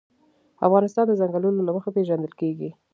افغانستان د ځنګلونه له مخې پېژندل کېږي.